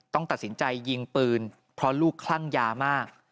ต้องตัดสินใจยิงปืนเพราะลูกคลั่งยามาก